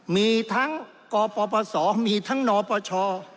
มีทั้งกปปศมีทั้งนปช